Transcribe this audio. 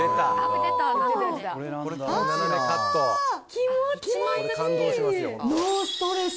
気持ちいい。